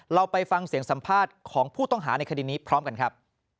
เราไปฟังเสียงสัมภาษณ์ของผู้ต้องหาในคดีนี้พร้อมกันครับ